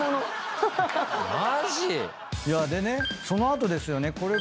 その後ですよね。